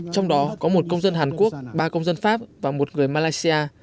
trong đó có một công dân hàn quốc ba công dân pháp và một người malaysia